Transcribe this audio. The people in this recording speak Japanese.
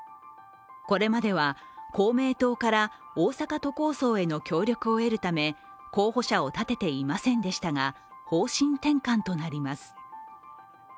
これまでは、公明党から大阪都構想への協力を得るため候補者を立てていませんでしたが、方針転換となります。